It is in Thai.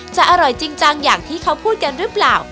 อร่อยจริงจังอย่างที่เขาพูดกันหรือเปล่า